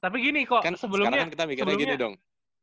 tapi gini kok sebelumnya sebelumnya